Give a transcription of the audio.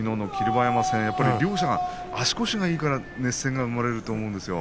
馬山戦両者が足腰がいいから熱戦が生まれると思うんですよ。